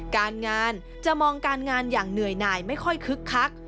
การงานจะมองการงานอย่างเหนื่อยหน่ายไม่ค่อยคึกคัก